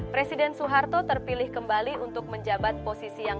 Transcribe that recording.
presiden suharto terpilih kembali untuk berjalan ke jenderal bintang empat